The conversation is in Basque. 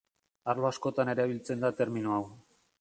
Arlo askotan erabiltzen da termino hau.